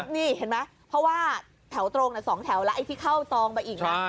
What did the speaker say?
นี่เห็นไหมเพราะว่าแถวตรง๒แถวแล้วไอ้ที่เข้าซองไปอีกนะ